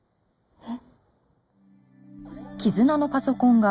えっ？